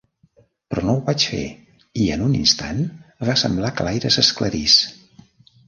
Però no ho vaig fer i, en un instant, va semblar que l'aire s'esclarís.